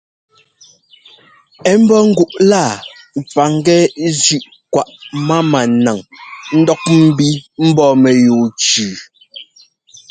Ɛ́ ḿbɔ́ ŋguꞌ laa paŋgɛ́ zʉ́ꞌ kwaꞌ mámá naŋ ńdɔk ḿbi mbɔ́ mɛyúu tsʉʉ.